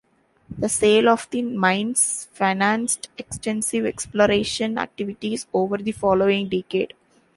The sale of the mines financed extensive exploration activities over the following decade.